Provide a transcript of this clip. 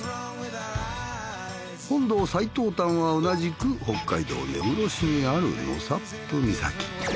本土最東端は同じく北海道根室市にある納沙布岬。